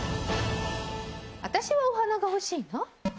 私はお花が欲しいな。